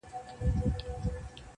o مـاتــه يــاديـــده اشـــــنـــا.